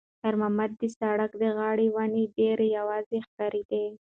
خیر محمد ته د سړک د غاړې ونې ډېرې یوازې ښکارېدې.